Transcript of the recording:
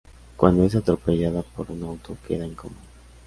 Cuando es atropellada por un auto, queda en coma.